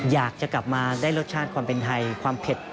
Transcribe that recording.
อยากจะกลับมาได้รสชาติความเป็นไทยความเผ็ด